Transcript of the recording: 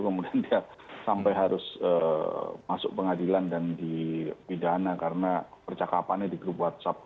kemudian dia sampai harus masuk pengadilan dan dipidana karena percakapannya di grup whatsapp